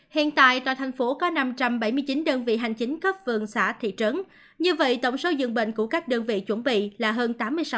hiện tại toàn thành phố có năm trăm bảy mươi chín đơn vị hành chính cấp phường xã thị trấn như vậy tổng số dường bệnh của các đơn vị chuẩn bị là hơn tám mươi sáu